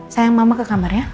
sayang mama ke kamar ya